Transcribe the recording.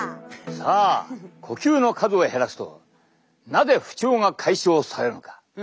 さあ呼吸の数を減らすとなぜ不調が解消されるのか。